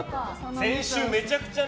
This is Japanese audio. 先週、めちゃくちゃね。